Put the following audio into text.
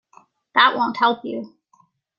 That won’t help you.